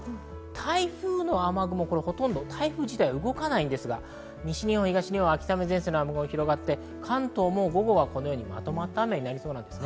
台風の雨雲はほとんど動かないんですが、西日本東日本は秋雨前線の雨雲が広がって、関東も午後はまとまった雨になりそうです。